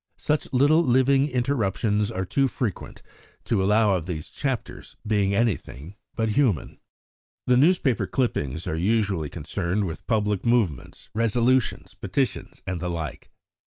Such little living interruptions are too frequent to allow of these chapters being anything but human. The newspaper clippings are usually concerned with public movements, resolutions, petitions, and the like.